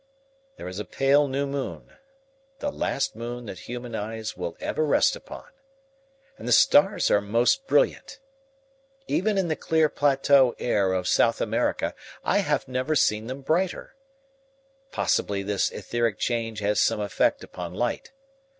There is a pale new moon the last moon that human eyes will ever rest upon and the stars are most brilliant. Even in the clear plateau air of South America I have never seen them brighter. Possibly this etheric change has some effect upon light.